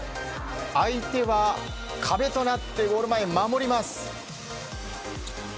相手は、壁となってゴール前を守ります。